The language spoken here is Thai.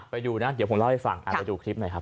ไปดูนะเดี๋ยวผมเล่าให้ฟังไปดูคลิปหน่อยครับ